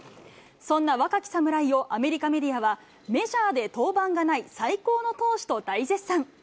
そんな若き侍を、アメリカメディアはメジャーで登板がない最高の投手と大絶賛。